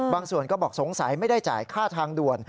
บางส่วนก็บอกสงสัยไม่ได้จ่ายค่าทางด่วน